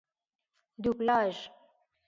دو بلاژ